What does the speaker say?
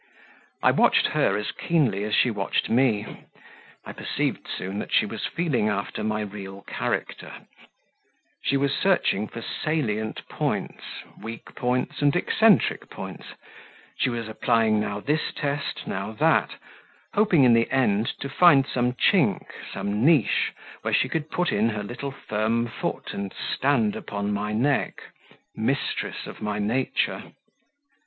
I watched her as keenly as she watched me; I perceived soon that she was feeling after my real character; she was searching for salient points, and weak points, and eccentric points; she was applying now this test, now that, hoping in the end to find some chink, some niche, where she could put in her little firm foot and stand upon my neck mistress of my nature.